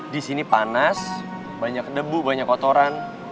disini panas banyak debu banyak kotoran